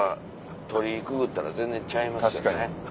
鳥居くぐったら全然ちゃいますよね。